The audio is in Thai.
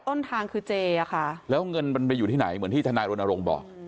ต้นทางคือเจอ่ะค่ะแล้วเงินมันไปอยู่ที่ไหนเหมือนที่ทนายรณรงค์บอก